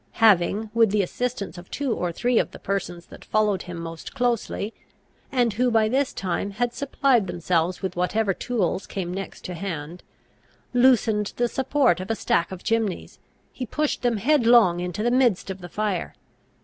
Having, with the assistance of two or three of the persons that followed him most closely, and who by this time had supplied themselves with whatever tools came next to hand, loosened the support of a stack of chimneys, he pushed them headlong into the midst of the fire.